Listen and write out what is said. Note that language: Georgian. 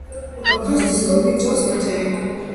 ოქროს დისკო, ბრინჯაოს ნივთები.